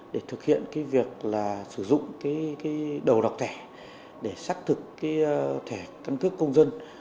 để thực hiện cái việc là sử dụng cái đầu đọc thẻ để xác thực cái thẻ căn cước công dân